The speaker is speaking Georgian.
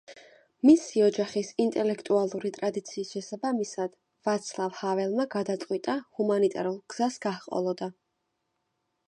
მისი ოჯახის ინტელექტუალური ტრადიციის შესაბამისად, ვაცლავ ჰაველმა გადაწყვიტა ჰუმანიტარულ გზას გაჰყოლოდა.